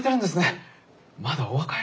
まだお若いのに。